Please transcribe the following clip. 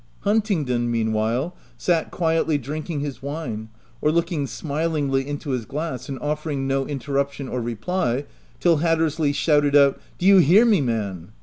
Huntingdon meanwhile, sat quietly drinking his wine, or looking smilingly into his glass and offering no interruption or reply, till Hattersley shouted out, —"' Do you hear me, man